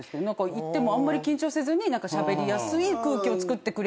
行ってもあんまり緊張せずにしゃべりやすい空気をつくってくれる人だって。